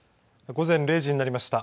午前０時になりました。